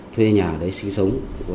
thuê nhà ở đấy sinh sống